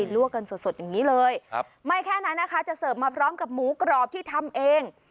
ลวกกันสดอย่างนี้เลยไม่แค่นั้นนะคะจะเสิร์ฟมาพร้อมกับหมูกรอบที่ทำเอง